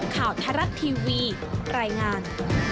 ข่าวไทยรัฐทีวีรายงาน